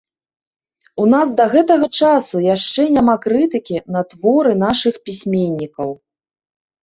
У нас да гэтага часу яшчэ няма крытыкі на творы нашых пісьменнікаў.